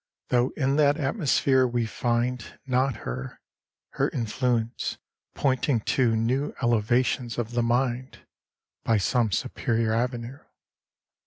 Though in that atmosphere we find Not her her influence, pointing to New elevations of the mind By some superior avenue.